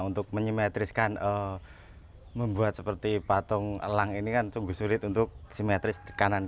untuk menyimetriskan membuat seperti patung elang ini kan sungguh sulit untuk simetris ke kanan